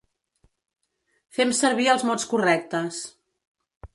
Fem servir els mots correctes.